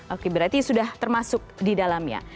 oke berarti sudah termasuk di dalamnya